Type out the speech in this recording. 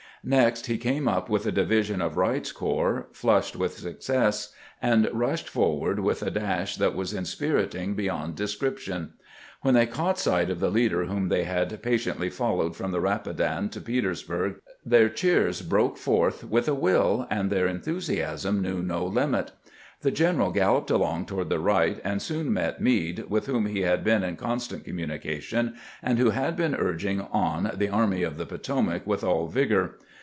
Next he came up with a division of Wright's corps, flushed with success, and rushing forward with a dash that was inspiriting beyond description. When they caught sight of the leader whom they had patiently fol lowed from the Rapidan to Petersburg, their cheers broke forth with a will, and their enthusiasm knew no limit. The general galloped along toward the right, and soon met Meade, with whom he had been in constant communication, and who had been urging on the Army of the Potomac with all vigor.